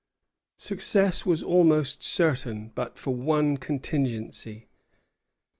Success was almost certain but for one contingency.